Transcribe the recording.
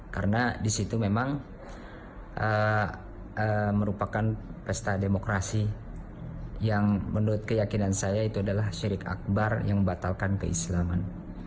karena disitu memang merupakan pesta demokrasi yang menurut keyakinan saya itu adalah syirik akbar yang membatalkan keislaman